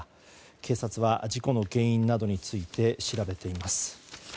警察は事故の原因などについて調べています。